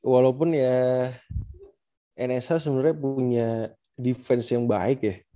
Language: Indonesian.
walaupun ya enesa sebenernya punya defense yang baik ya